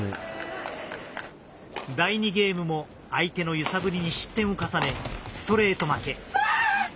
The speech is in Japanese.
第２ゲームも相手の揺さぶりに失点を重ねストレート負け。